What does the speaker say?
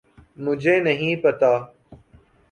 مجھے نہیں پتہ۔